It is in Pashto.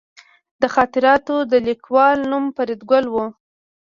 د خاطراتو د لیکوال نوم فریدګل و